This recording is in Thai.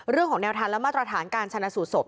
เรื่องของแนวทางและมาตรฐานการชนะสูตรศพ